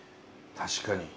確かに。